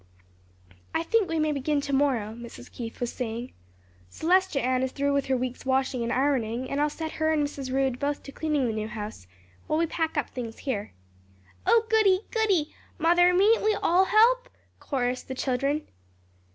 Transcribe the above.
"I think we may begin to morrow," Mrs. Keith was saying; "Celestia Ann is through with her week's washing and ironing, and I'll set her and Mrs. Rood both to cleaning the new house, while we pack up things here." "Oh, goodie, goodie! mother, mayn't we all help!" chorused the children.